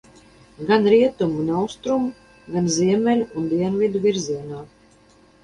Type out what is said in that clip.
Gan rietumu un austrumu, gan ziemeļu un dienvidu virzienā.